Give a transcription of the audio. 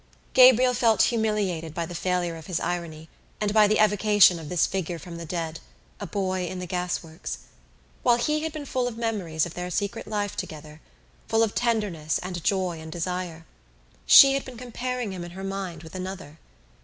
Gabriel felt humiliated by the failure of his irony and by the evocation of this figure from the dead, a boy in the gasworks. While he had been full of memories of their secret life together, full of tenderness and joy and desire, she had been comparing him in her mind with another.